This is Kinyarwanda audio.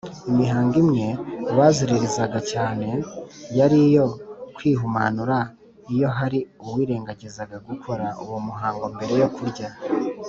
imihango imwe baziririzaga cyane yari iyo kwihumanura iyo hari uwirengagizaga gukora uwo muhango mbere yo kurya